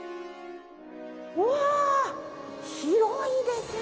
うわあ広いですね。